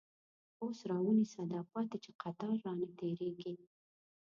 اوس را ونیسه دا پاتی، چه قطار رانه تیریږی